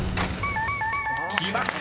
［きました！